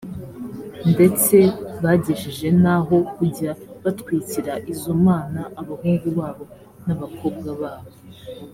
ndetse bagejeje n’aho kujya batwikira izo mana abahungu babo n’abakobwa babo!